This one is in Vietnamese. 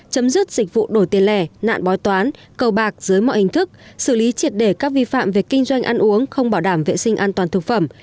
chấm dứt dịch vụ đổi tiền lẻ nạn bói toán cầu bạc dưới mọi hình thức xử lý triệt để các vi phạm về kinh doanh ăn uống không bảo đảm vệ sinh an toàn thực phẩm